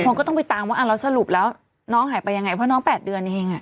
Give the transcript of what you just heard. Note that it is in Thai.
คนก็ต้องไปตามว่าแล้วสรุปแล้วน้องหายไปยังไงเพราะน้อง๘เดือนเอง